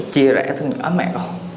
chia rẽ từ nhỏ mẹ con